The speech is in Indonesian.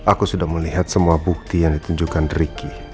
aku sudah melihat semua bukti yang ditunjukkan ricky